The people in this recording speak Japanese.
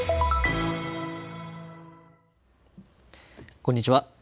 こんにちは。